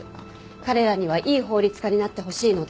彼らにはいい法律家になってほしいので。